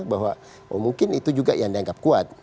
bahwa mungkin itu juga yang dianggap kuat